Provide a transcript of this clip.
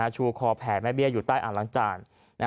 ชูคอแผ่แม่เบี้ยอยู่ใต้อ่างล้างจาน